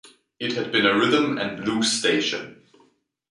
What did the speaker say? It had been a rhythm and blues station.